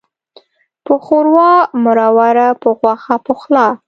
په ښوروا مروره، په غوښه پخلا.